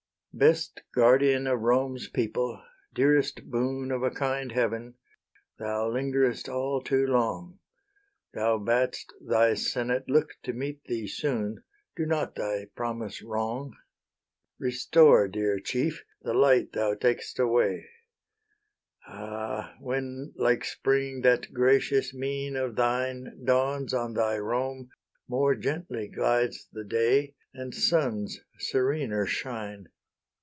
Best guardian of Rome's people, dearest boon Of a kind Heaven, thou lingerest all too long: Thou bad'st thy senate look to meet thee soon: Do not thy promise wrong. Restore, dear chief, the light thou tak'st away: Ah! when, like spring, that gracious mien of thine Dawns on thy Rome, more gently glides the day, And suns serener shine.